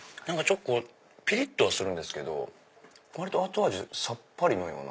ピリっとはするんですけど割と後味さっぱりのような。